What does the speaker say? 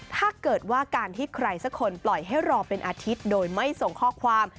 ถ้าเกิดว่าการที่ใครสักคนปล่อยให้รอเป็นอาทิตย์โดยไม่ส่งข้อความ